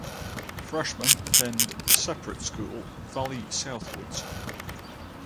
Freshmen attend a separate school, Valley Southwoods.